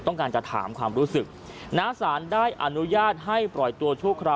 ต้องการจะถามความรู้สึกณสารได้อนุญาตให้ปล่อยตัวชั่วคราว